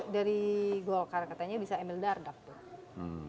dari golkar katanya bisa emil dardak tuh